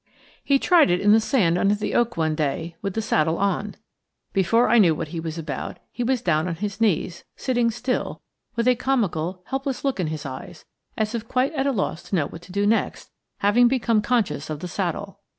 He tried it in the sand under the oak, one day, with the saddle on. Before I knew what he was about he was down on his knees, sitting still, with a comical, helpless look in his eyes, as if quite at a loss to know what to do next, having become conscious of the saddle.